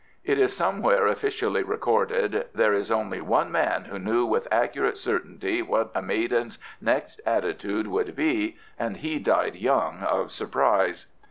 It is somewhere officially recorded, "There is only one man who knew with accurate certainty what a maiden's next attitude would be, and he died young of surprise."